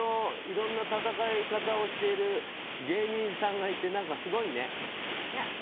いろんな戦い方をしてる芸人さんがいて、すごいね。